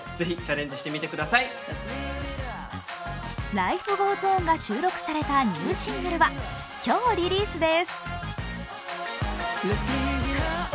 「Ｌｉｆｅｇｏｅｓｏｎ」が収録されたニューシングルは今日リリースです。